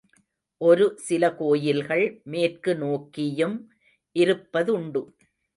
ஒரு சில கோயில்கள் மேற்கு நோக்கியும் இருப்பதுண்டு.